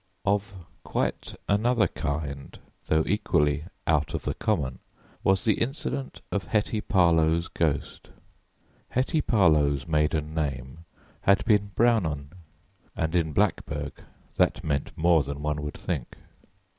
Of quite another kind, though equally 'out of the common,' was the incident of Hetty Parlow's ghost. Hetty Parlow's maiden name had been Brownon, and in Blackburg that meant more than one would think.